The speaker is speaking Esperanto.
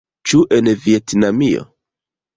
Ĉu en Vjetnamio?